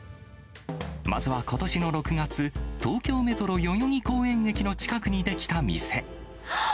まずはことしの６月、東京メトロ代々木公園駅の近くに出来た店。